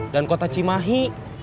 dan kota cimahi